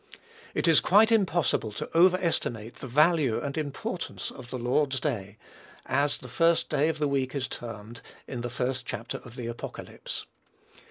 It is quite impossible to over estimate the value and importance of the Lord's day, ([Greek: hê kyriakê hêmera,]) as the first day of the week is termed, in the first chapter of the Apocalypse.